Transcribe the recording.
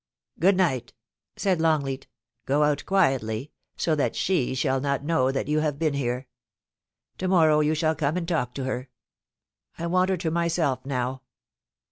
' Good night,' said longleat 'Go out quietly, so that she shall not know that you have been here. To morrow you shall come and Ulk to her ; I want her to myself now.